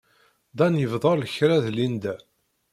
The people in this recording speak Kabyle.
Dan yebḍa lekra d Linda.